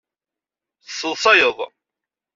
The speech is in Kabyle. Teṣṣeḍṣayeḍ.